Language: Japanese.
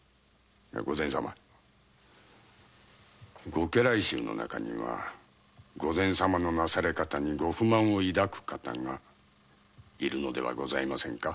御前様御家来衆の中には御前様のなされ方に不満を抱く方がいるのではございませんか？